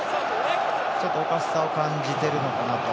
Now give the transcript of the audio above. ちょっとおかしさを感じてるのかなと。